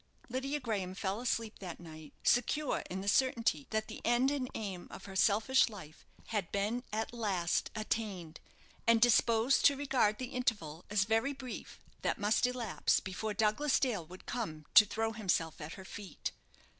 Lydia Graham fell asleep that night, secure in the certainty that the end and aim of her selfish life had been at last attained, and disposed to regard the interval as very brief that must elapse before Douglas Dale would come to throw himself at her feet.